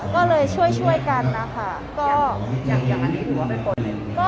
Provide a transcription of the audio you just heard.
ก็เลยช่วยช่วยกันนะคะก็อย่างอันนี้ถือว่าเป็น